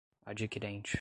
adquirente